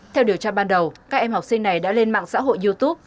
theo điều tra ban đầu các em học sinh này đã lên mạng xã hội youtube